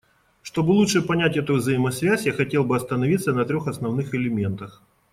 Чтобы лучше понять эту взаимосвязь, я хотел бы остановиться на трех основных элементах.